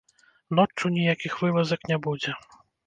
Ноччу ніякіх вылазак не будзе.